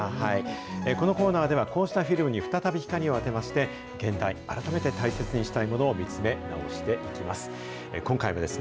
このコーナーでは、こうしたフィルムに再び光を当てまして、現代、改めて大切にしたいものを見つめ直していきます。